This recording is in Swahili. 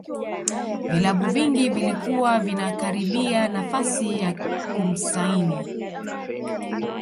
vilabu vingi vilikuwa vinakaribia nafasi ya kumsaini